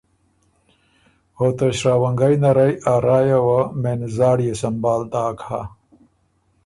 او ته شراونګئ نرئ ا رایٛ یه وه مېن زاړيې سمبهال داک هۀ۔